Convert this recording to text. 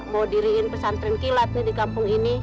mau diriin pesantren kilat nih di kampung ini